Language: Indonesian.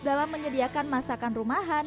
dalam menyediakan masakan rumahan